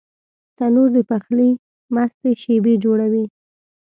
تنور د پخلي مستې شېبې جوړوي